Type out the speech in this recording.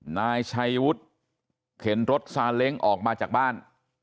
นายชัยวุฒิเข็นรถซาเล้งออกมาจากบ้าน